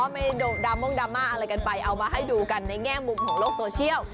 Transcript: ไม่ให้โด่งดัมม่อดัมม่าอะไรกันไปเอามาให้ดูกันในเง่มงโด่งโลกโซเชียล